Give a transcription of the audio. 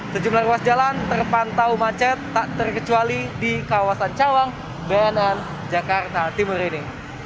sejumlah ruas jalan terpantau macet tak terkecuali di kawasan cawang ban jakarta timur ini